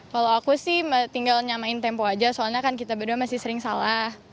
kalau aku sih tinggal nyamain tempo aja soalnya kan kita berdua masih sering salah